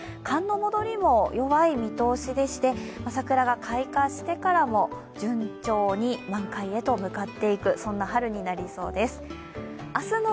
寒の戻りも弱い見通しでして、桜が開花してからも順調に満開へと向かっていく、そんな春になりそうです。